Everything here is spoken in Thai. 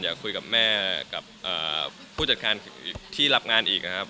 อยากคุยกับแม่กับผู้จัดการที่รับงานอีกนะครับ